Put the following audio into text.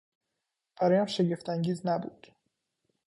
برایم شگفت انگیز نبود.